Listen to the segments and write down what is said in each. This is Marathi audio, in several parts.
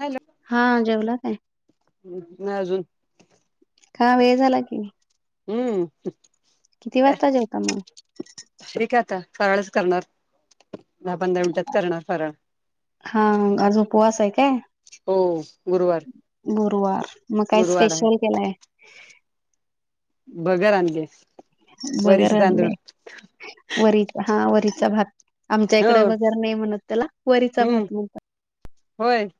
हॅलो हा जेवला काय नाही अजून... का वेळ झाला की? हम्म... किती काय वाजता जेवता मग.... ठीक आहे आता फराळाचं करणार दहा पंधरा मिनिटात करणार फराळ..... हा आज उपवास आहे काय? हो गुरुवार.... गुरुवार मग काय गुरुवार आहे स्पेशल केलाय? भगर आणलीय वगैर आणले वचा हा वरचा भात आमच्या हो इकडे वगर नाही म्हणत त्याला वरीचा हम्म भात म्हणतात... होय...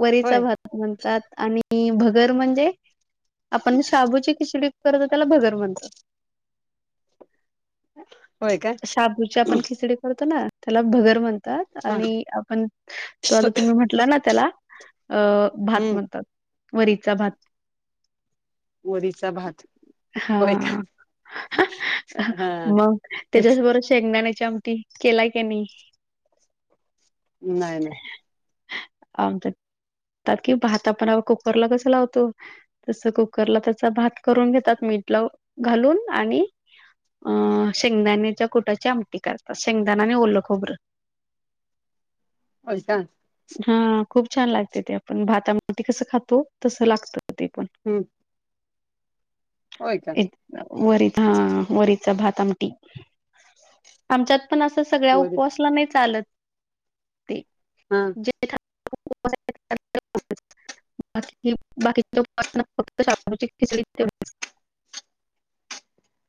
वरीचा होय भात म्हणतात आणि भगर म्हणजे आपण शाबूची खिचडी... करतो त्याला भगर म्हणत... होय काय शाबूची आपण खिचडी करतो ना त्याला भगर म्हणतात.... हा आणि आपण तो आता तुम्ही म्हटला ना त्याला अ.... भात हम्म म्हणतात वरीचा भात.... वरीचा भात होय हा का? हा मग त्याच्याबरोबर शेंगदाण्याची आमटी.... केला की नाही नाही नाही आ... ता कि भात आपण कुकरला कसं लावतो तस कुकरला त्याचा भात... करून घेतात मीठ लावून घालून आणि... अ शेंगदाण्याच्या कुटाची आमटी करतात शेंगदाने आणि ओलं खोबरं... [inaudible] फलटण.... हा खूप छान लागते ते पण भाताआमटी कसं खातो तसं लागत ते पण... हम्म... होय का.... एक वरीत हा वरीचा भात आमटी आमच्यात.... पण असं सगळ्या वरी उपवासला नाही चालत ते... हा.... जे ठ.... [unintelligible] बा बाकीचे लोक फक्त शाबूची खिचडी ब....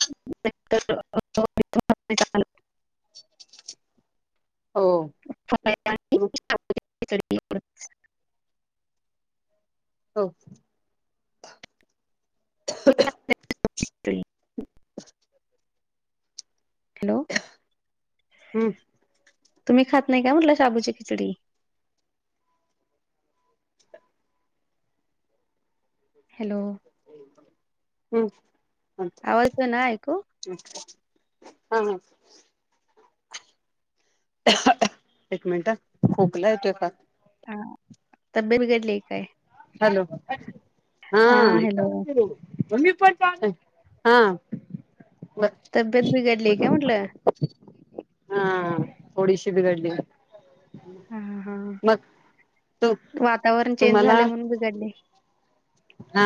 [unintelligible] हो.... ब हो.... [unintelligible] [unintelligible] हॅलो.... हम.... तुम्ही खात नाही का म्हटलं शाबूची खिचडी.... हॅलो हम्म.... आवाज येतोय ना ऐकू? हा हा.... एक मिनट खोकला येतोय का? हा तब्य बघडली काय हॅलो हाप हा ब तब्येत बिघडलीय काय म्हटलं? हा थोडीशी बिघडलिया.... हा हा तू वातावरण चेंज तुम्हाला झाले म्हणून बिघडले.... हा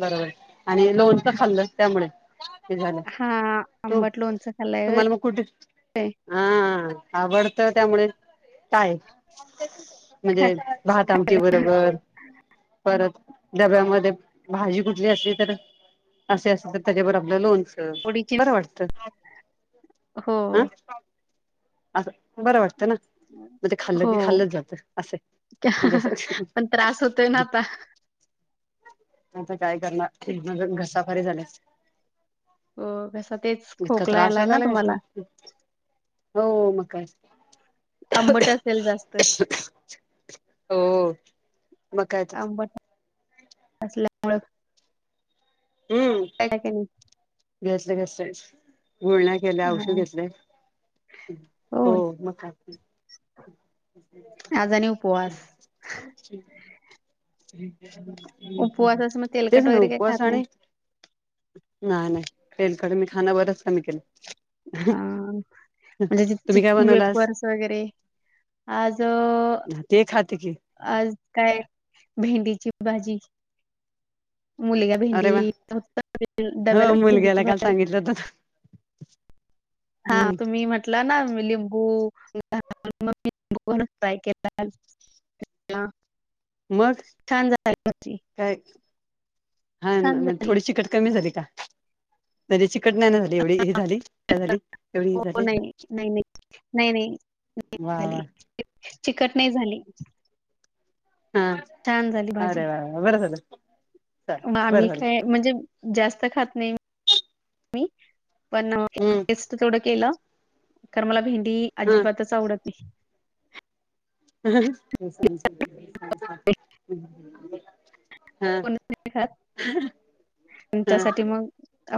बरोबर आणि लोणच खाल्लं त्यामुळे हे झालं.... हा तू आंबट लोणचं खाल्लंय तुम्हाला मग कुठे हा आवडतं त्यामुळे काय का? म्हणजे भहात आमची बरोबर परत डब्यामध्ये भाजी कुठली असे तर असे असेल तर त्याच्यावर आपलं लोनच ओची ब वाटतं हो हा असं बरं वाटतं ना म ते खाल्लं की हो. खाल्लच जातं असे पण त्रास होतोय ना आता आता काय करणार घसाफारी झाली हो कसा तेच खोकलायलाय ना तुम्हाला हच् हो मका आंबट असेल जास्त हो मग काय असल्यामुं कडाक घसले घस गुळण्या केल्या औषध हा घेतले हो म अजननीपवास च क आहे उपवासाच मग ते तेलकट वगैरे काही सणऊपवास खात नाही आणि नाही नाही खळेल कडे मी खाण बरंच कमी केलं हा म्हणजे तुम्ही काय बनवला आज वेपर वगैरे आज ते खाते की आज काय भेंडीची भाजी मुलगा अरे भेंडी वा हो डब्याला भेंडीची मुलग्याला भज [unintelligible] [unintelligible] हा तुम्ही म्हटलं ना लिंबू माय केला केला. मग छान झा काय हा म झाली थोडीशी कट कमी झाली का नदीची कटना नाही झाली एवढी हे झाली काय झाली एवढी ही हो झाली नाही नाही नाही नाही वा नाहीली वा चिकट नाही झाली हा छान झाली भाजी अरे वा वा बरं झालं चाल बरं आ्ही झालं काय म्हणजे जास्त खात नाही मी पण हम्म टेस्ट थोडं केलं कारण मला भेंडी अजिबातच आवडत नाही ह मी हम हा त्यासाठी मग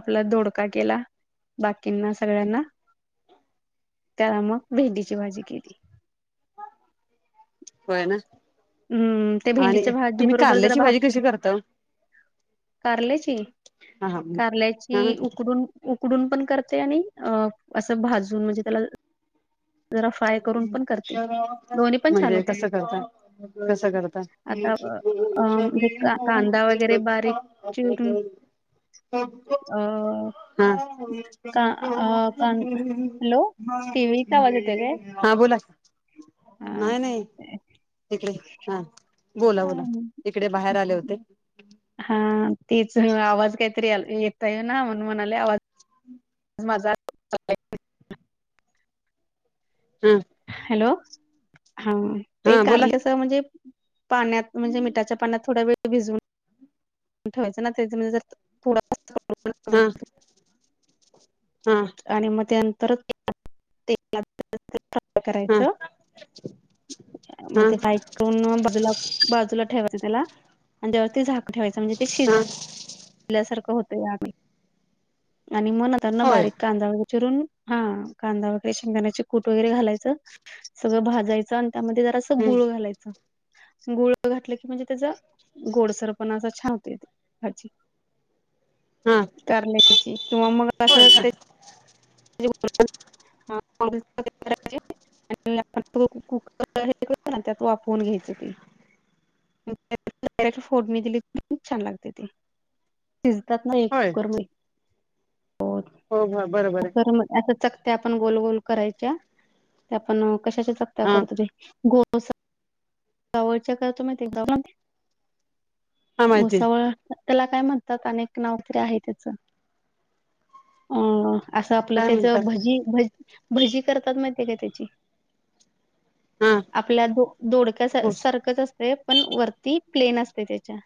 आपला धोडका केला बाकींना सगळ्यांना त्याला मग भेंडीची भाजी केली होय ना हम्म ते आणि भेंडीच्या भाजी तुम्ही बरोबर जरा कारल्याची भाजी भाकरी कशी करता ओ? कारल्याची, हा हा हा कारल्याची उकडून उकडून पण करते आणि असं भाजून म्हणजे त्याला जरा फ्राय करून पण करते दोन्ही पण छान म्हणजे होतात कसं करत कसं करत आता मुको अ श म्हणजे हो कांदा ते लग ह हा कान हॅलो? टीव्हीचा आवाज येतोय काय? [unintelligible] हा बोला, हां. नाही नाही तिकडे हा. बोला बोला इकडे बाहेर आले होते. हा तेच आवाज काहीतरी येतोय ना म्हणून म्हणाले आवाज माझा हम्म. हॅलो हा ते हा बोला की कारल्याच म्हणजे पाण्यात म्हणजे मिठाच्या पाण्यात थोडा वेळ भिजूऊन ठेवायचं ना [unintelligible] हा, हा. आणि मग त्यानंतर ते. हा करायच मग हा ते पाईप जूला बाजूला ठेवायच त्याला आणि त्या ते झाक ठेवायच म्हणजे ते शिज हा ल्यासारखं होतोय आम्ही आणि म नंतरनं होय बारीक कांदा व चिरून हा कांदा वगैरे शेंगण्याचे कूट वगैरे घालायचं. सगळं भाजायचं आणि त्यामध्ये जरासं हम्म गुळ घालायचं. गुळ घातलं की म्हणजे त्याज गोडसरपणा असं छान होत भाजी. हा. करल्याची किंवा मग होय असं ते का [unintelligible] [unintelligible] त्यात वाफवून घ्यायचं ते. [unintelligible] फोडनी दिली खूप छान लागते ते. शिजतात ना होय कुकर म होत. हो [unintelligible] ग असं चकत्या आपण गोल गोल करायच्या ते आपण कशाच्या चकत्या हा करतो ते [unintelligible] सावळच्या करतो [unintelligible] हा माहिती घुसावळा. त्याला काय म्हणतात अनेक नाव काय तरी आहे त्याच अ असं आपलं काय त्याच म्हणतात भजी भ भजी करतात माहिती काय त्याची. हा आपल्या दो दोडक्या घोस सारखंच असते पण वरती प्लेन असते त्याच्या.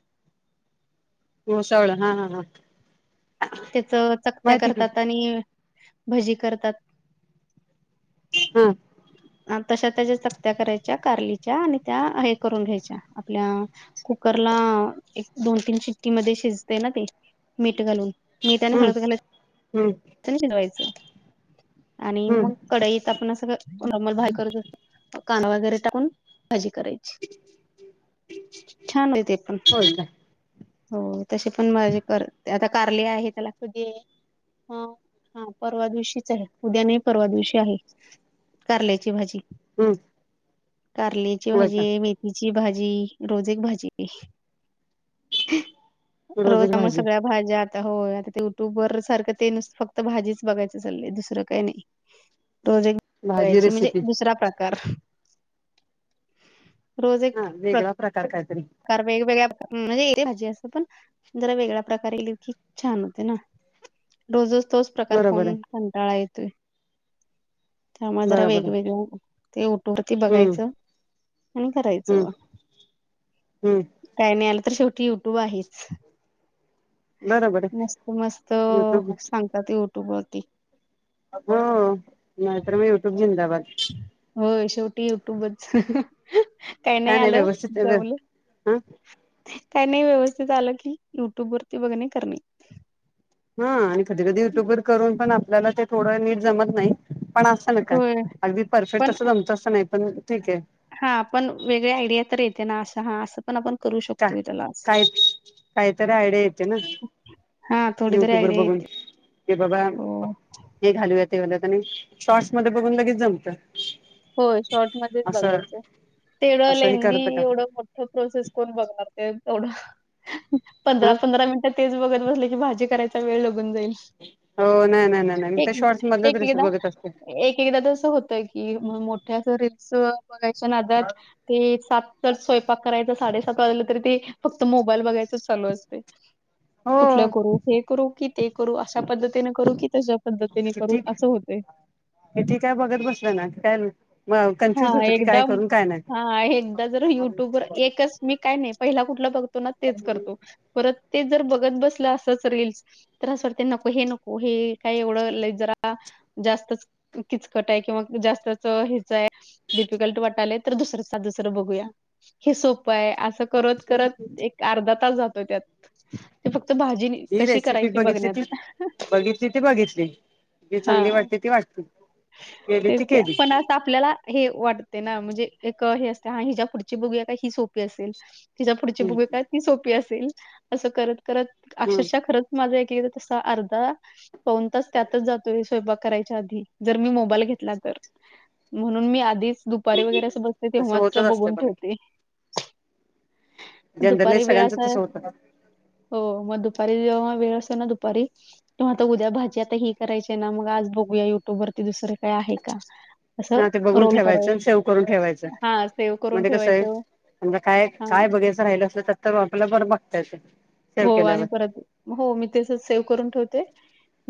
घोसावळ हा हा हां. त्याच चकत्या की करतात आणि भजी करतात. हा तशा त्याच्या सक्त्या करायच्या कारलीच्या आणि त्या हे करून घ्यायच्या आपल्या कुकरला एक दोन तीन चिट्टी मध्ये शिजते ना ते मीठ घालून. मीठ आणि हम्म हळद घा हम्म. लायचं अनुभव शिजवायचं आणि हम्म मग कडईत आपण अस नॉर्मल भा करत असो काना वगैरे टाकून भाजी कराय ची छान होय ते पण. होय का हो तशी पण भाजी कर आता कारले आहे त्याला कधी ह हा परवा दिवशीच आहे उद्या नाही परवा दिवशी आहे. कारल्याची भाजी. हम्म. कारल्याची होय का भाजी मे हिची भाजी रोज एक भाजी. रोज रोजक आम्हा भाजी सगळ्या भाज्या आता होय आता युट्यूबवर सारखं ते नुसत फक्त भाजीच बघायचं चाललंय, दुसरं काही नाही रोज एक ते भाजी करायची म्हणजे रेसिपी दुसरा प्रकार रोज एक हा वेगळा प्रकार कायतरी? प्रकार वेगवेगळ्या भा म्हणजे एक भाजी असते पण जरा वेगळ्या प्रकारे केलं की छान होत ना, रोज रो ज तोच प्रकार बरोबर खाऊन आहे कंटाळा येतोय. त्यामूळ जरा बरोबर आहे वेगवेगळ्या, ते युट्यूब वरती हम्म बघायचं. आणि हम्म करायचं, हम्म काय नाही आलं तर शेवटी युट्यूब आहेच. बरोबर मस्त मस्त आहे युट्यूब सांगतात युट्यूब वरती अग नाहीतर म युट्यूब जिंदाबाद होय शेवटी युट्यूबच काही नाही आलं, जमल हह. काय नाही व्यवस्थित आलं, कि युट्यूब वरती बघणे, करणे हा आणि कधी कधी युट्युब वर करून पण आपल्याला ते थोडं नीट जमत नाही. पण अस ना काय? होय अगदी परफेक्ट पण तसं जमत अस नाही पण ठीक ए हा आपण वेगळी आयडिया तर येते ना असं हा असं पण आपण करू शकतो. काय कायतरी आयडिया येते ना हा थोडी तरी युट्युवर आयडिया बघून येते की बाबा हो हे घालूया, ते घालुया आणि शॉर्टस मध्ये बघून लगेच जमत. होय शॉर्ट मध्येच असं बघायचं, ते एवढं असं हे लेंदी करत का एवढ मोठ प्रोसेस कोण बघणार? ते तेवढं हा पंधरा पंधरा मिनी तेच बघत बसले की, भाजी करायचा वेळ निघून जाईल. हो नाही नाही नाही नाही मी एक त्या शॉर्ट्स मधलंच एकदा रेसिपी बघत असते एक एकदा तस होतय. कि मोठ्या अस रील्स बघायच्या नादात, ते सात चा स्वयंपाक करायचा साडेसात वाजलं तरी ते फक्त मोबाईल बघायचच चालू असतय. कुठलं हो करू? हे करू की ते करू, अशा पद्धतीने करू की तशा पद्धतीने करू असं होतय येतय काय बघत बसलं ना काय? हा कॅन्फुज होत, की एकदा काय करू आणि काय? नाही हा एकदा जर युट्यूबवर एकच मी काय नाही, पहिला कुठला बघतो ना तेच करतो. परत ते जर बघत बसलं असंच रिल्स तर आस वाटतय, नको हे नको हे काही एवढं लई जरा जास्तच किचकट आहे किंवा जास्तच हे च हाय डिफिकल्ट वाटालय, तर दुसरंच साध सरळ बघूया हे सोपं हाय असं करत करत एक अर्धा तास जातो, त्यात ते फक्त भाजी जी कशी रेसिपी करायची बघितली ती बघण्यात बघितली [unintelligible] ती बघितली जी चांगली वाटते ती वाटते. केली ती तेच की केली पण आस आपल्याला हे वाटतय, ना म्हणजे एक हे असतय हा हिच्या पुढची बघूया का? ही सोपी असेल तिच्या पुढची हम्म बघुया काय? ती सोपी असेल, असं करत करत हम्म अक्षरशः खरच माझा एकेककदा तसा अर्धा पाऊण तास त्यातच जातोय, स्वयंपाक करायच्या आधी जर मी मोबाईल घेतला, तर म्हणून मी आधीच दुपारी वगैरे असं बसते तसं तेव्हाच होतच असतं बघून बघा ठेवते. जनरली दुपारी वेळ सगळ्यांचं असा तसं होतं हो मग दुपारी जेव्हा वेळ असतो ना दुपारी तर आता उद्या भाजी आता ही करायची ना, मग आज बघूया युट्यूबवरती दुसरी का आहे का? असं हा ते बघून रोल करत ठेवायचं आणि सेव्ह करून ठेवायचं हा सेव करून म्हणजे कसं आहे ठेवायचं. समजा काय काय हां. बघायचं राहिल असल, तर आपल युटुबवर बघता येतय. हो आणि परत हो मी तस सेव्ह करून ठेवते.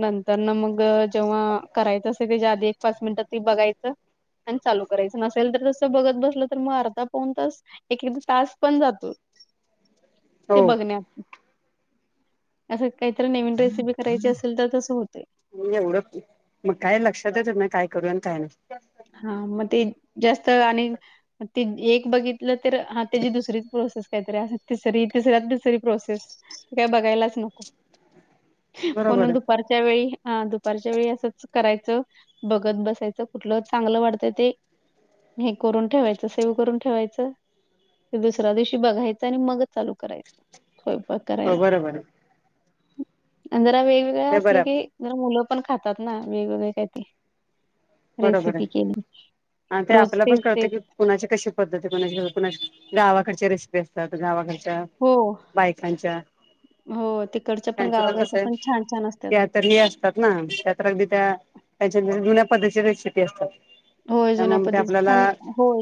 नंतर न मग अ जेव्हा करायचं असतय, त्याच्या आधी एक पाच मिनिट ते बघायचं आणि चालू करायचं नसेल तर जसं बघत बसलं तर मग अर्धा पाोन तास एक एकदा तास पण जातो ते हो बघण्यात असं काहीतरी नवीन रेसिपी करायची असेल तर तसं होत एवढं मग काय लक्षात येत म काय करू आणि काय नाही हा मग ते जास्त आणि ते एक बघित तर हा त्याची दुसरीच प्रोसेस काहीतरी असे तिसरी तिसऱ्यात दुसरी प्रोसेस काय बघायलाच नको बरोबर म्हनोंद आहे पर्चय वळीळी हा दुपारच्या वेळी असंच करायचं बघत बसायचं कुठलं चांगलं वाटतंय ते हे करून ठेवायचं सेव करून ठेवायचं ते दुसऱ्या दिवशी बघायचं आणि मगच चालू करायचं स्ोयप हो करायला बरोबर आहे जरा वेगवेगळं हे बरं असलं की आपलं जर मुलं पण खातात ना वेगवेगळे काही ते बरोबर आहे रेसिपी आणि ते रोज आपल्याला पण तेच ते कळतं की कुणाची कशी पद्धती कुणाची कुणा गावाकडच्या रेसिपी असतात गावाकडच्या हो बायकांच्या हो तिकडच्या पण त्यांचं तर गावाकडच्या कसं पण आहे छान छान असतात त्या असतात ना त्या तर अगदी त्या त्यांच्या जुन्या पद्धतीची रेसिपी असतात होय जुन्या त्यामुळे मग ते पद्धती छान आपल्याला होय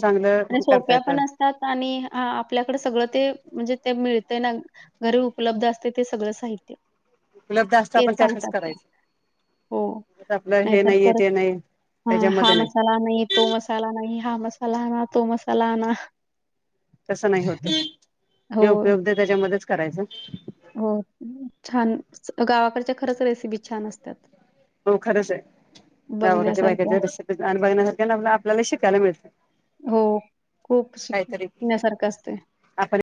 आणि चांगलं करता सोप्या येतं पण असत आणि आपल्याकडे सगळं ते म्हणजे ते मिळत ना घरी उपलब्ध असते ते सगळं साहित्य उपलब्ध असत तेच आपण त्यातच सांगतात त्या. करायच हो. आपलं हे नाहीतर नाही आहे परत ते नाही हां, हा त्याच्यामध्ये नाही मसाला नाही तो मसाला नाही हा मसाला आण तो मसाला आण तसं नाही होत हो, जे उपयोग त्याच्यामध्येच करायचं हो छान गावाकडच्या खरंच रेसिपी छान असतात हो खरंच आहे गावाच्या बाय बघण्यासारख्या. आणि बघण्यासारख्या आपल्याला शिकायला मिळतं हो खूप काहीतरी शिकण्यासारखं असते आपण